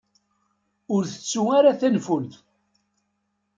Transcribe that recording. Ur ttettu ara tanfult.